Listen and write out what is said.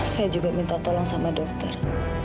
saya juga minta tolong sama dokter